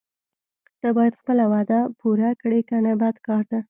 ته باید خپله وعده پوره کړې کنه بد کار ده.